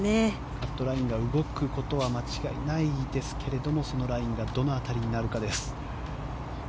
カットラインが動くことは間違いないですけれどもそのラインがどの辺りになるかです。